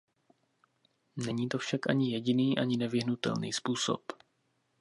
Není to však ani jediný, ani nevyhnutelný způsob.